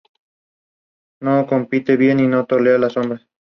No compite bien y no tolera la sombra.